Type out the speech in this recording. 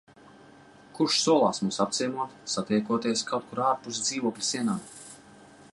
Kurš solās mūs apciemot, satiekoties kaut kur ārpus dzīvokļa sienām.